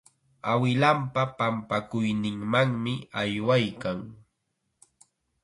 Awilanpa pampakuyninmanmi aywaykan.